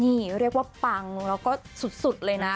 นี่เรียกว่าปังแล้วก็สุดเลยนะ